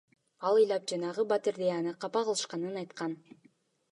Ал ыйлап жанагы батирде аны капа кылышканын айткан.